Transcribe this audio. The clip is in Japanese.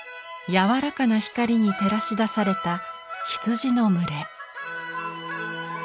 柔らかな光に照らし出された羊の群れ。